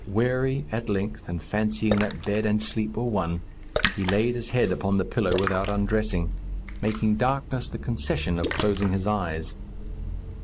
Weary, at length, and fancying that bed and sleep were one, he laid his head upon the pillow without undressing, making darkness the concession of closing his eyes.